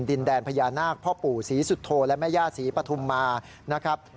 ดินแดนพญานาคพ่อปู่ศรีสุโธและแม่ย่าศรีปฐุมมานะครับ